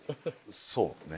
そうね。